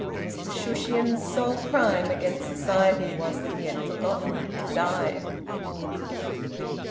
Mr Shushions's sole crime against society was that he had forgotten to die.